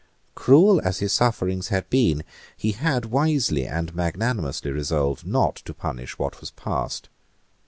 Cruel as his sufferings had been, he had wisely and magnanimously resolved not to punish what was past.